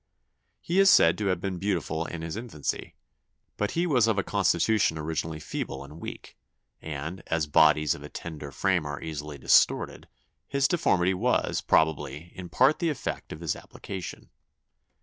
He is said to have been beautiful in his infancy; but he was of a constitution originally feeble and weak; and, as bodies of a tender frame are easily distorted, his deformity was, probably, in part the effect of his application.